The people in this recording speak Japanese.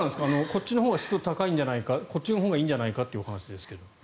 こっちのほうが湿度が高いんじゃないかこっちのほうがいいんじゃないかという話ですけど。